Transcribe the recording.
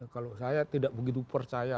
kalau saya tidak begitu percaya